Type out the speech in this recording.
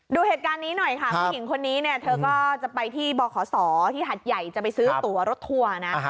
ดูเหตุการณ์นี้หน่อยค่ะผู้หญิงคนนี้เนี่ยเธอก็จะไปที่บขศที่หัดใหญ่จะไปซื้อตัวรถทัวร์นะ